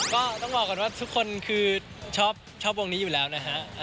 ก็ต้องบอกก่อนว่าทุกคนคือชอบวงนี้อยู่แล้วนะฮะ